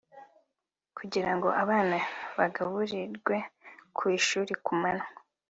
kugira ngo abana bagaburirirwe ku ishuri ku manywa